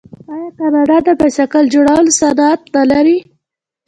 آیا کاناډا د بایسکل جوړولو صنعت نلري؟